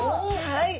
はい。